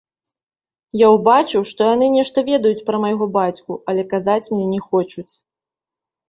Я ўбачыў, што яны нешта ведаюць пра майго бацьку, але казаць мне не хочуць.